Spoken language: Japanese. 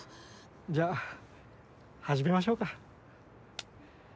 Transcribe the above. じゃあ始めましょうか。